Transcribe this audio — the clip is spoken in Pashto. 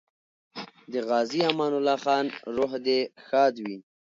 د غازي امان الله خان روح دې ښاد وي.